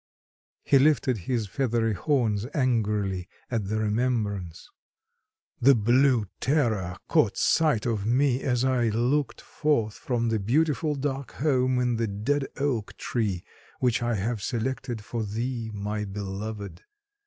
He lifted his feathery horns angrily at the remembrance. "The blue terror caught sight of me as I looked forth from the beautiful dark home in the dead oak tree which I have selected for thee, my beloved.